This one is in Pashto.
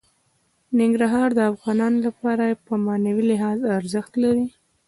ننګرهار د افغانانو لپاره په معنوي لحاظ ارزښت لري.